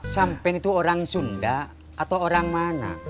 sampen itu orang sunda atau orang mana